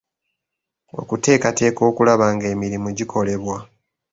Okuteekateeka okulaba ng'emirimu gikolebwa.